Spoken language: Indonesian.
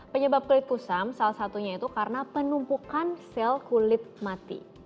penyebab kulit kusam salah satunya itu karena penumpukan sel kulit mati